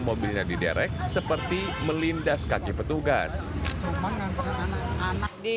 mobilnya di derek seperti melindas kaki petugas di lindas kaki pun pernah iya kaki saya pernah di lindas